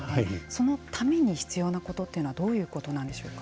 そのために必要なことというのはどういうことなんでしょうか。